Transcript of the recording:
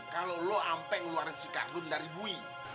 kalau lu sampai ngeluarin si cardun dari bui